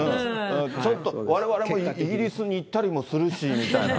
ちょっとわれわれもイギリスに行ったりもするしみたいな。